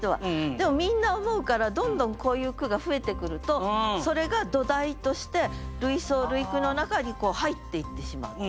でもみんな思うからどんどんこういう句が増えてくるとそれが土台として類思類句の中に入っていってしまう。